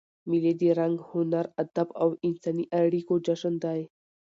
مېلې د رنګ، هنر، ادب او انساني اړیکو جشن دئ.